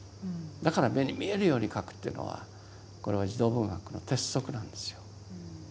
だから目に見えるように書くっていうのはこれは児童文学の鉄則なんですよ。